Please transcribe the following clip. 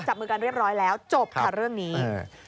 จับมือกันเรียบร้อยแล้วจบค่ะเรื่องนี้